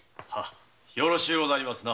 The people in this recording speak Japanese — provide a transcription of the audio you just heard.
よろしゅうございますな。